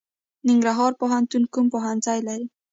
ننګرهار پوهنتون کوم پوهنځي لري؟